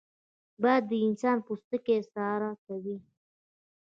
باد د انسان پوستکی ساړه کوي